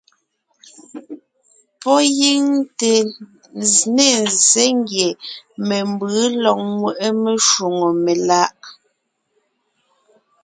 Pɔ́ gíŋ te ne ńzsé ngie membʉ̌ lɔg ńŋweʼe meshwóŋè meláʼ.